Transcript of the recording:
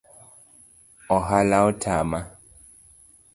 Ohala otama